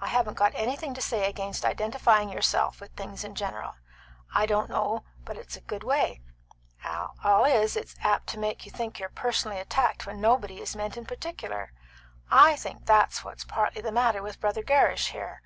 I haven't got anything to say against identifying yourself with things in general; I don't know but what it's a good way; all is, it's apt to make you think you're personally attacked when nobody is meant in particular. I think that's what's partly the matter with Brother Gerrish here.